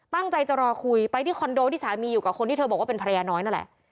ตั้งใจจะรอคุยไปที่คอนโดที่สามีอยู่กับคนที่เธอบอกว่าเป็นภรรยาน้อยนั่นแหละ